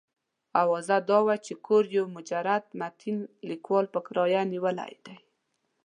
اوازه دا وه چې کور یو مجرد متین لیکوال په کرایه نیولی دی.